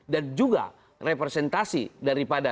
dan juga representasi daripada